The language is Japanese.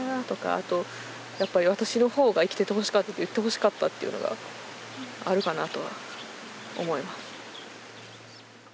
あとやっぱり私のほうが生きててほしかったって言ってほしかったっていうのがあるかなとは思います。